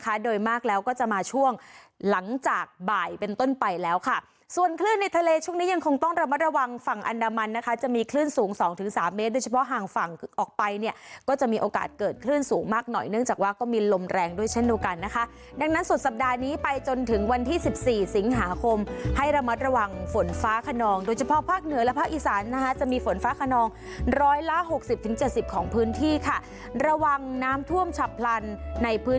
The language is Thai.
กันไปนะคะโดยมากแล้วก็จะมาช่วงหลังจากบ่ายเป็นต้นไปแล้วค่ะส่วนคลื่นในทะเลช่วงนี้ยังคงต้องระมัดระวังฝั่งอันดามันนะคะจะมีคลื่นสูงสองถึงสามเมตรโดยเฉพาะหางฝั่งออกไปเนี่ยก็จะมีโอกาสเกิดคลื่นสูงมากหน่อยเนื่องจากว่าก็มีลมแรงด้วยเช่นดูกันนะคะดังนั้นส่วนสัปดาห์นี้ไปจนถึงวันที่สิบสี่สิ